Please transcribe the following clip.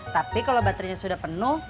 tapi kalo baterenya sudah penuh